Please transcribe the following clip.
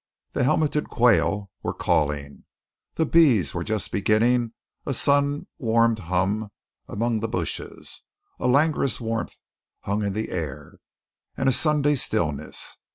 The helmeted quail were calling; the bees were just beginning a sun warmed hum among the bushes; a languorous warmth hung in the air, and a Sunday stillness.